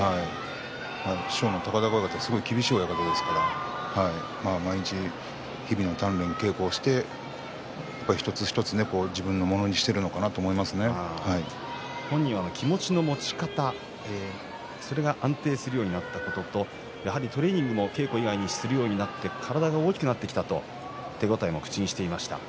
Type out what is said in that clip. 師匠の高田川親方が厳しい親方ですから日々の鍛錬で、こうして一つ一つ自分のものにしているのかなと本人は気持ちの持ち方それが安定するようになったこととトレーニングも稽古以外にするようになって体が大きくなってきたと手応えを口にしていました。